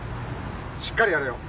しっかりやれよ！